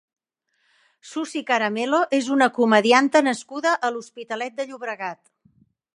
Susi Caramelo és una comedianta nascuda a l'Hospitalet de Llobregat.